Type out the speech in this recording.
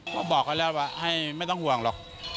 ก็บอกเขาแล้วว่าให้ไม่ต้องห่วงหรอก